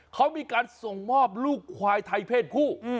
เขามีการส่งมอบลูกควายไทยเพศผู้